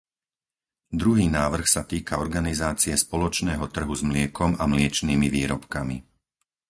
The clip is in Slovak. Druhý návrh sa týka organizácie spoločného trhu s mliekom a mliečnymi výrobkami.